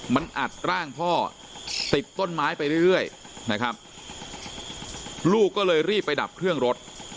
มันอัดร่างพ่อติดต้นไม้ไปเรื่อยนะครับลูกก็เลยรีบไปดับเครื่องรถ